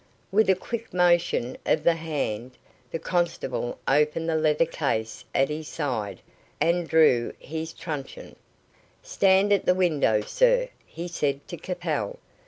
With a quick motion of the hand, the constable opened the leather case at his side, and drew his truncheon. "Stand at the window, sir," he said to Capel.